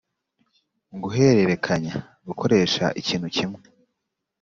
guhererekanya: gukoresha ikintu kimwe